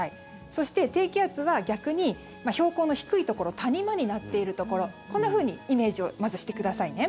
そして低気圧は、逆に標高の低いところ谷間になっているところこんなふうにイメージをまずしてくださいね。